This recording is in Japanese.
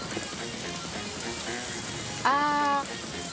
ああ。